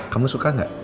kamu suka gak